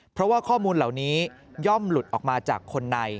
เพราะว่าข้อมูลเหล่านี้ย่อมหลุดออกมาจากคนใน